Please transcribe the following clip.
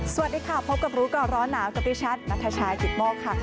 สวัสดีค่ะพบกับรู้ก่อนร้อนหนาวกับดิฉันนัทชายกิตโมกค่ะ